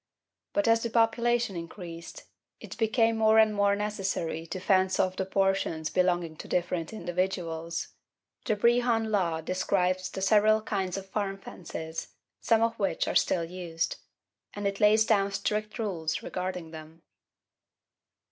But as the population increased it became more and more necessary to fence off the portions belonging to different individuals. The Brehon Law describes the several kinds of farm fences, some of which are still used; and it lays down strict rules regarding them.